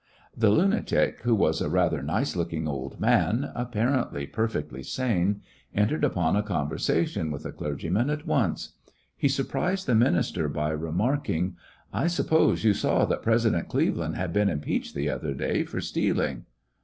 The lunatic, who was a rather nice looking old man, apparently perfectly sane, entered upon a conversation with the clergyman at once. He surprised the minister by re marking : "I suppose you saw that President Cleve land had been impeached, the other day, for stealing!"